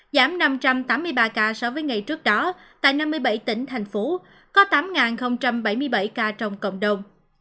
giảm năm trăm tám mươi ba ca so với ngày trước đó tại năm mươi bảy tỉnh thành phố có tám bảy mươi bảy ca trong cộng đồng